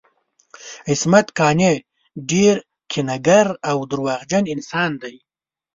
عصمت قانع ډیر کینه ګر او درواغجن انسان دی